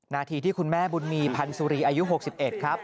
นาทีที่คุณแม่บุญมีพันสุรีอายุ๖๑ครับ